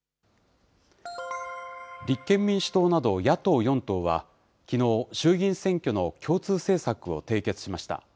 立憲民主党など野党４党は、きのう、衆議院選挙の共通政策を締結しました。